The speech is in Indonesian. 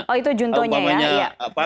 oh itu juntonya ya